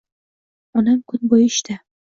Onam kun bo`yi ishda